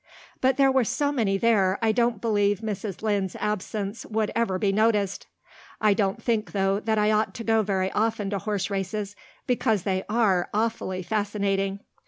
But there were so many there I don't believe Mrs. Lynde's absence would ever be noticed. I don't think, though, that I ought to go very often to horse races, because they are awfully fascinating.